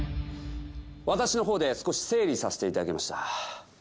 私のほうで少し整理させていただきました